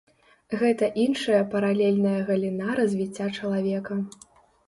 Гэта іншая паралельная галіна развіцця чалавека.